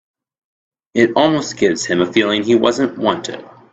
It almost gives him a feeling he wasn't wanted.